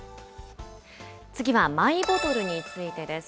次はマイボトルについてです。